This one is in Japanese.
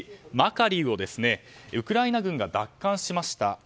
マカリウをウクライナ軍が奪還しました。